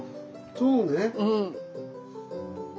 そうね。